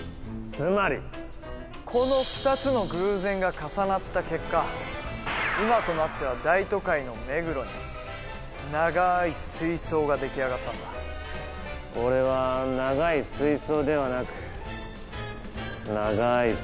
つまりこの２つの偶然が重なった結果今となっては大都会の目黒に長い水槽ができあがったんだ何なの！